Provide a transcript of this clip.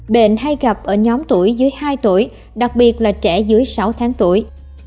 bệnh hay gặp ở nhóm tuổi dưới hai tuổi đặc biệt là trẻ dưới sáu tháng tuổi